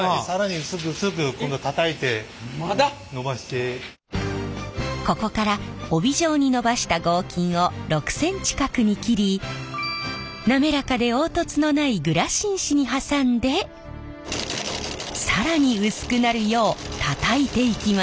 これをここから帯状にのばした合金を６ｃｍ角に切り滑らかで凹凸のないグラシン紙に挟んで更に薄くなるようたたいていきます。